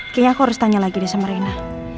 kayaknya aku harus tanya lagi nih sama rena